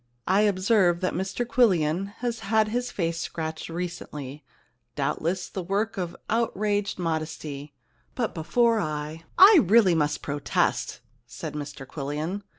I observe that Mr Quillian has had his face scratched recently, doubtless the work of outraged modesty, but before I I really must protest,' said Mr Quillian.